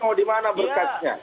oh dimana berkasnya